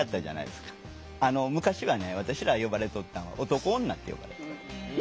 昔はね私ら呼ばれとったんは「男女」って呼ばれとった。